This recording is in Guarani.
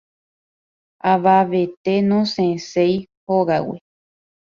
Avavete nosẽséi hógagui.